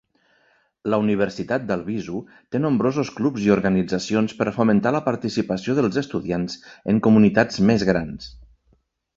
La Universitat d'Albizu té nombrosos clubs i organitzacions per fomentar la participació dels estudiants en comunitats més grans.